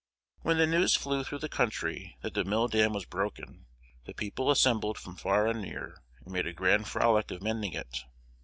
When the news flew through the country that the mill dam was broken, the people assembled from far and near, and made a grand frolic of mending it.